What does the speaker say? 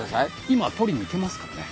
今とりに行けますからね。